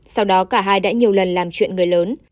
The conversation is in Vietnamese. sau đó cả hai đã nhiều lần làm chuyện người lớn